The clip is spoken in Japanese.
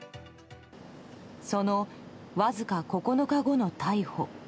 そのわずか９日後の逮捕。